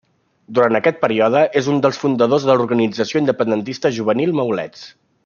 Durant aquest període és un dels fundadors de l'organització independentista juvenil Maulets.